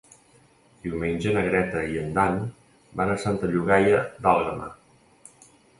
Diumenge na Greta i en Dan van a Santa Llogaia d'Àlguema.